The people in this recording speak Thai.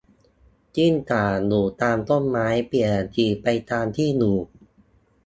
กิ้งก่า อยู่ตามต้นไม้ เปลี่ยนสีไปตามที่อยู่